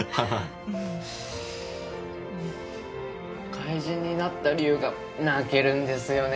怪人になった理由が泣けるんですよね。